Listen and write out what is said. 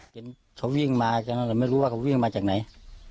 เขาวิ่งมาแค่นั้นแหละไม่รู้ว่าเขาวิ่งมาจากไหน